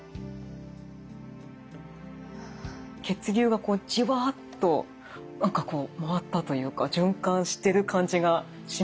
血流がこうじわっと何かこう回ったというか循環してる感じがします。